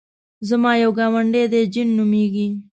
زما یو ګاونډی دی جین نومېږي.